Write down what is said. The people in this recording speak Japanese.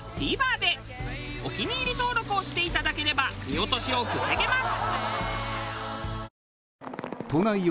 お気に入り登録をしていただければ見落としを防げます。